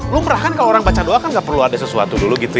lo merahkan kalau orang baca doa kan nggak perlu ada sesuatu dulu gitu ya